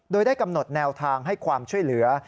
โดยได้กำหนดแนวทางให้ความช่วยเหลือ